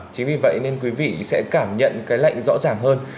chính vì vậy nên quý vị sẽ cảm nhận cái lạnh rõ ràng hơn